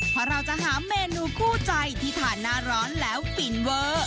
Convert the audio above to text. เพราะเราจะหาเมนูคู่ใจที่ทานหน้าร้อนแล้วฟินเวอร์